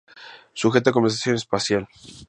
Sujeta a Conservación especial.